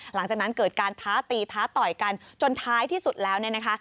หลังจากนั้นเกิดการท้าตีท้าต่อยกันจนท้ายที่สุดแล้วเนี่ยนะคะ